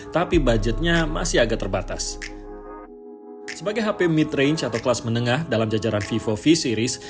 tapi budgetnya masih agak terbatas sebagai hp mitrage atau kelas menengah dalam jajaran vivo fee series